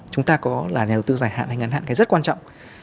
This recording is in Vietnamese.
chúng ta có là nhà đầu tư dài hạn hay ngắn hạn cái rất quan trọng